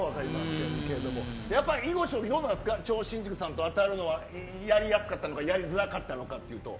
やっぱ囲碁将棋どうですか超新塾さんと当たるのはやりやすかったのかやりづらかったのか。